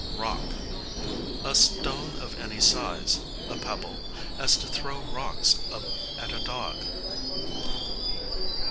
Rock, a stone of any size; a pebble; as to throw rocks at a dog.